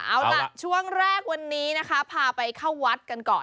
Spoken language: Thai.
เอาล่ะช่วงแรกวันนี้นะคะพาไปเข้าวัดกันก่อน